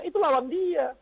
itu lawan dia